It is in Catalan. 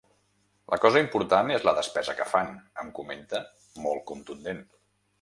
La cosa important és la despesa que fan, em comenta, molt contundent.